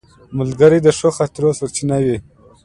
ملګری د ښو خاطرو سرچینه وي